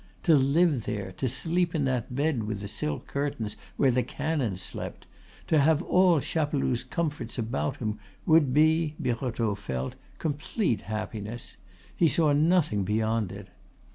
To live there, to sleep in that bed with the silk curtains where the canon slept, to have all Chapeloud's comforts about him, would be, Birotteau felt, complete happiness; he saw nothing beyond it.